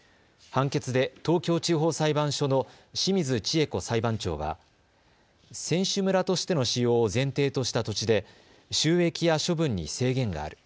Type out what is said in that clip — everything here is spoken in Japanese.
判決で東京地方裁判所の清水知恵子裁判長は選手村としての使用を前提とした土地で収益や処分に制限がある。